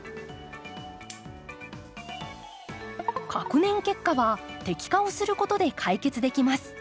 隔年結果は摘果をすることで解決できます。